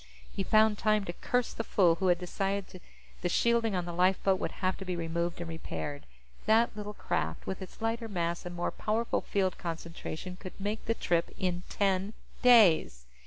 He found time to curse the fool who had decided the shielding on the lifeboat would have to be removed and repaired. That little craft, with its lighter mass and more powerful field concentration, could make the trip in ten days.